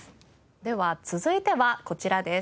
では続いてはこちらです。